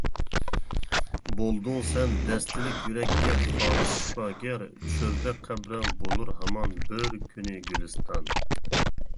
بولدۇڭ سەن دەستىلىك يۈرەككە خالىس شىپاگەر، چۆلدە قەبرەڭ بولۇر ھامان بىر كۈنى گۈلىستان.